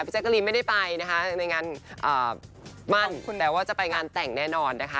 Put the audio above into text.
แจ๊กกะรีนไม่ได้ไปนะคะในงานมั่นแต่ว่าจะไปงานแต่งแน่นอนนะคะ